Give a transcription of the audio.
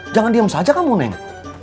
jangan diam saja kamu neng